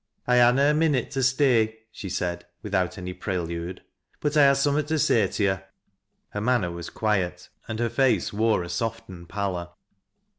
" I ha' na a minnit to stay," she said without any pre lude, " but I ha' summat to say to yo'." Her manner was quiet, and her face wore a softened pallor.